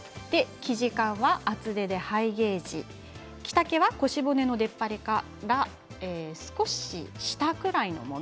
生地感は厚手でハイゲージ着丈は腰骨の出っ張りから少し下くらいのもの。